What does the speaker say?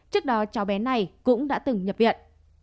trước đó cháu bé này cũng đã từng nhập viện